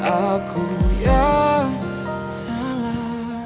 aku yang salah